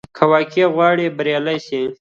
که واقعاً غواړې بریالی سې،